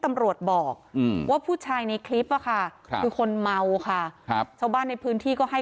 ตำรวจบอกว่าผู้ชายในคลิปอะค่ะคือคนเมาค่ะครับชาวบ้านในพื้นที่ก็ให้